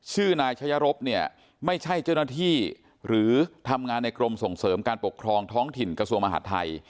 ชื่อนายชะยรบเนี่ยไม่ใช่เจ้าหน้าที่หรือทำงานในกรมส่งเสริมการปกครองท้องถิ่นกระทรวงมหาดไทย